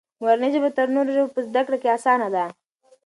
مورنۍ ژبه تر نورو ژبو په زده کړه کې اسانه ده.